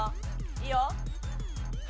いいよ。